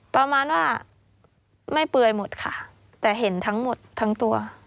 ประมาณว่าไม่เปื่อยหมดค่ะแต่เห็นทั้งหมดทั้งตัว